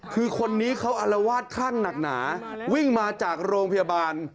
คือคนนี้เขาอารวาสคลั่งหนักหนาวิ่งมาจากโรงพยาบาล